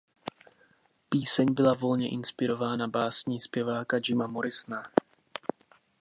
Píseň byla volně inspirována básní zpěváka Jima Morrisona.